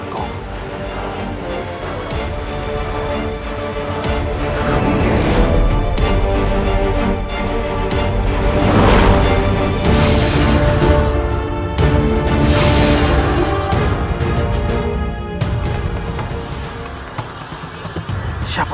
aku akan mencari tahu siapa dia